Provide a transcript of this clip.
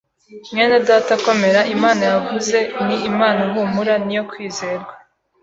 Mwenedata komera, Imana yavuze ni Imana humura niyo kwizerwa